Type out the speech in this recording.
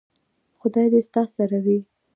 خدای دې ستا سره وي .